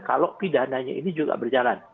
kalau pidananya ini juga berjalan